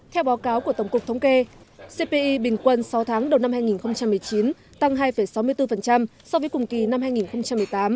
theo báo cáo của tổng cục thống kê cpi bình quân sáu tháng đầu năm hai nghìn một mươi chín tăng hai sáu mươi bốn so với cùng kỳ năm hai nghìn một mươi tám